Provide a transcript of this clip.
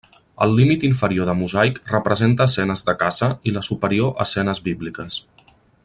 El límit inferior de mosaic representa escenes de caça i la superior escenes bíbliques.